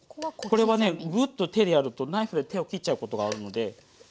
これはねグッと手でやるとナイフで手を切っちゃうことがあるので。